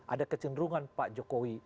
ada kecenderungan pak jokowi